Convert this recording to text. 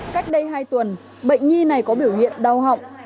cách đây hai tuần bệnh nhi này có biểu hiện đau họng